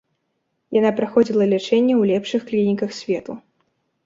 Яна праходзіла лячэнне ў лепшых клініках свету.